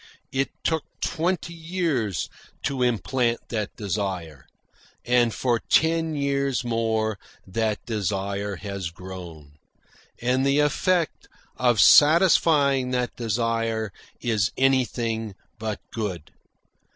It took twenty years to implant that desire; and for ten years more that desire has grown. And the effect of satisfying that desire is anything but good.